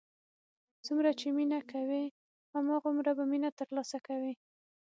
څومره چې مینه کوې، هماغومره به مینه تر لاسه کوې.